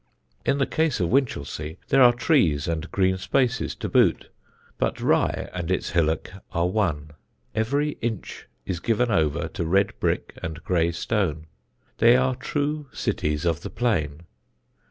In the case of Winchelsea there are trees and green spaces to boot, but Rye and its hillock are one; every inch is given over to red brick and grey stone. They are true cities of the plain.